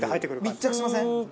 密着しません？